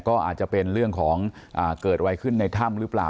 ก็อาจจะเป็นเรื่องของเกิดอะไรขึ้นในถ้ำหรือเปล่า